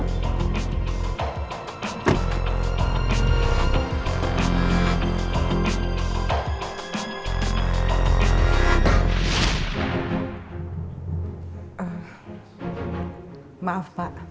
terima kasih ya pak remon